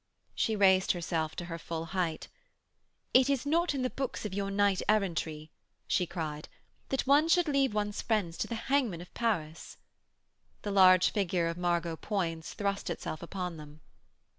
She raised herself to her full height. 'It is not in the books of your knight errantry,' she cried, 'that one should leave one's friends to the hangman of Paris.' The large figure of Margot Poins thrust itself upon them.